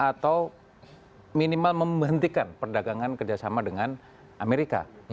produk atau minimal membentikan perdagangan kerjasama dengan amerika